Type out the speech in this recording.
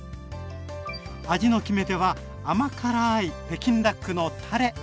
味の決め手は甘辛い北京ダックのたれ！